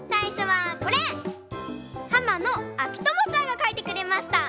はまのあきともちゃんがかいてくれました。